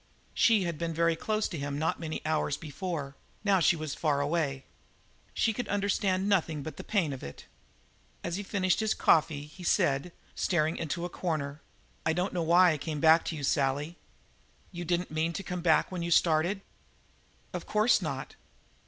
She had been very close to him not many hours before; now she was far away. She could understand nothing but the pain of it. As he finished his coffee he said, staring into a corner: "I don't know why I came back to you, Sally." "You didn't mean to come back when you started?" "Of course not."